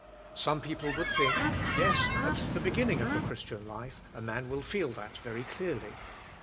Some people would think: Yes, at the be ginning of the Christian life, a man will feel that very clearly.